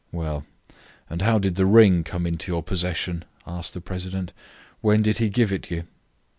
"Well, and how did the ring come into your possession?" asked the president. "When did he give it you?"